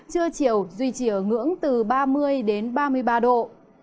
chưa chiều duy trì ở ngưỡng từ ba mươi ba mươi ba độ